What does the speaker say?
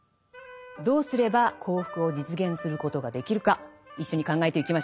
どうすれば幸福を実現することができるか一緒に考えてゆきましょう。